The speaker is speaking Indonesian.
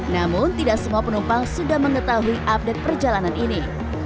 namun tidak semua penumpang sudah mengetahui update perjalanan ini